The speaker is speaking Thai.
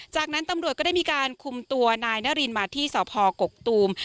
จากนั้นตำรวจก็ได้มีการคุมตัวนายนารินมาที่สพกกตูม